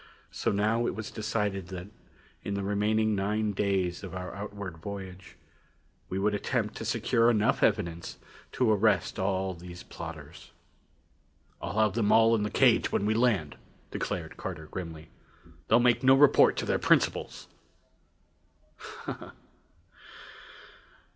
So now it was decided that in the remaining nine days of our outward voyage, we would attempt to secure enough evidence to arrest all these plotters. "I'll have them all in the cage when we land," declared Carter grimly. "They'll make no report to their principals!"